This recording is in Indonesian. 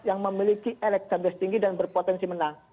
yang memiliki elektabilitas tinggi dan berpotensi menang